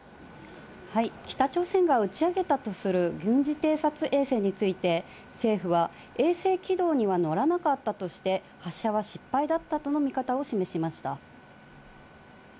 北朝鮮が打ち上げたとする軍事偵察衛星について、政府は、衛星軌道には乗らなかったとして、発射は失敗だったとの見方を示しました。